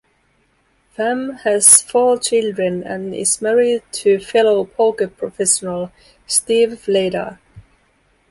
Pham has four children and is married to fellow poker professional Steve Vladar.